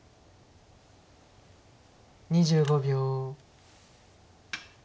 ２５秒。